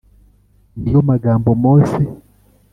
ni yo magambo Mose